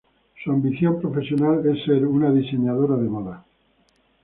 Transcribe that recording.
Su ambición profesional es ser una diseñadora de moda.